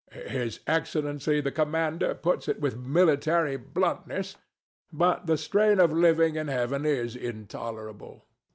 THE DEVIL. His excellency the Commander puts it with military bluntness; but the strain of living in Heaven is intolerable.